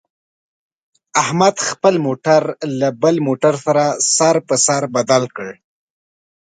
احمد خپل موټر له بل موټر سره سر په سر بدل کړ.